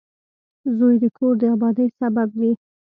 • زوی د کور د آبادۍ سبب وي.